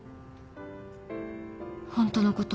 ホントのこと。